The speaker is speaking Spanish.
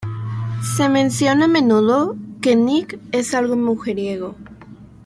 Se menciona a menudo que Nick es algo mujeriego.